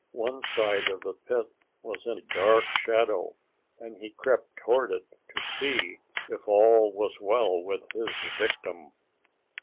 One side of the pit was in dark shadow, and he crept toward it to see if all was well with his victim.